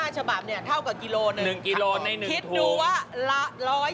๓๕๕ฉบับเนี่ย